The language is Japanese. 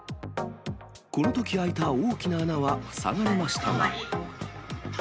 このとき開いた大きな穴は塞がれましたが。